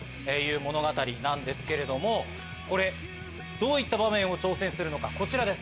どういった場面を挑戦するのかこちらです。